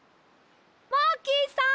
マーキーさん！